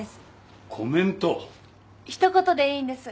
一言でいいんです